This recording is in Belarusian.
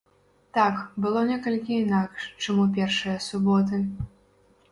Так, было некалькі інакш, чым у першыя суботы.